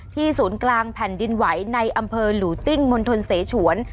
ศูนย์กลางแผ่นดินไหวในอำเภอหลูติ้งมณฑลเสฉวน